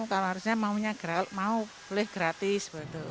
kalau harusnya maunya mau boleh gratis